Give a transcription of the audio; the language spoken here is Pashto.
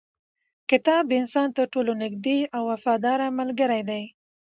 کتاب د انسان تر ټولو نږدې او وفاداره ملګری دی.